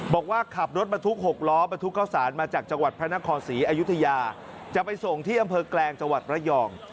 บอกว่าขับรถบรรทุก๖ล้อบรรทุกข้าวสารมาจากจังหวัดพระนครศรีอยุธยาจะไปส่งที่อำเภอแกลงจังหวัดระยอง